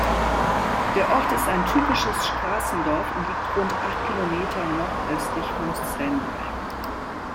Der Ort ist ein typisches Straßendorf und liegt rund acht Kilometer nordöstlich von Stendal.